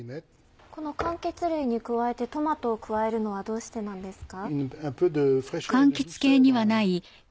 柑橘類に加えてトマトを加えるのはどうしてなんですか？